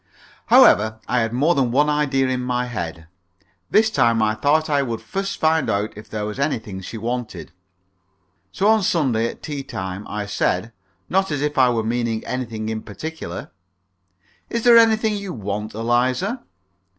However, I had more than one idea in my head. This time I thought I would first find out if there was anything she wanted. So on Sunday at tea time I said, not as if I were meaning anything in particular, "Is there anything you want, Eliza?"